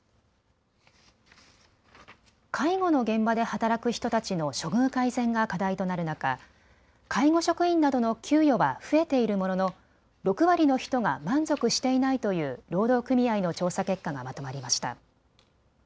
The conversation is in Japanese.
介護の現場で働く人たちの処遇改善が課題となる中、介護職員などの給与は増えているものの６割の人が満足していないという労働組合の調査結果がまとまりました。